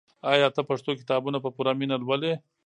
آیا ته پښتو کتابونه په پوره مینه لولې؟